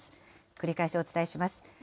繰り返しお伝えします。